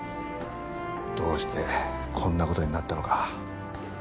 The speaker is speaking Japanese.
どうしてこんな事になったのか。